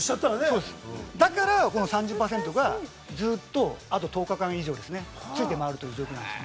３０％があと１０日間以上ついて回るという状況です。